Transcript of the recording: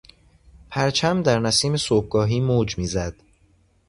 پرچم در نسیم صبحگاهی موج میزد.